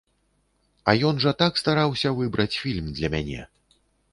А ён жа так стараўся выбраць фільм для мяне!